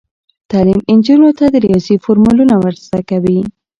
تعلیم نجونو ته د ریاضي فورمولونه ور زده کوي.